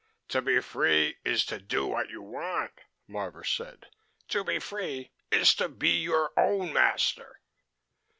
"To be free is to do what you want," Marvor said. "To be free is to be your own master."